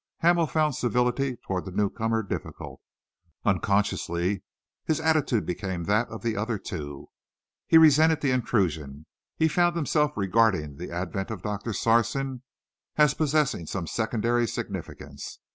Hamel found civility towards the newcomer difficult. Unconsciously his attitude became that of the other two. He resented the intrusion. He found himself regarding the advent of Doctor Sarson as possessing some secondary significance.